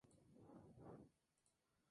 El edificio más sobresaliente.